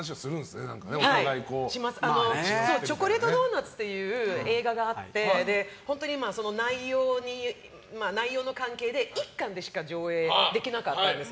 「チョコレートドーナツ」っていう映画があって、その内容の関係で１館でしか上映できなかったんです。